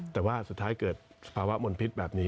แต่ว่าสุดท้ายเกิดภาวะมลพิษแบบนี้